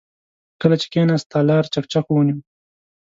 کله چې کېناست، تالار چکچکو ونيو.